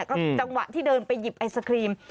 ก็จังหวะที่เดินไปหยิบไอศครีม